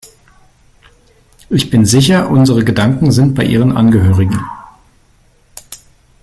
Ich bin sicher, unsere Gedanken sind bei ihren Angehörigen.